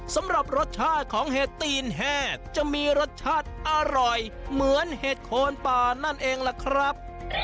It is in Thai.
สำหรับรสชาติของเห็ดตีนแห้จะมีรสชาติอร่อยเหมือนเห็ดโคนป่านั่นเองล่ะครับ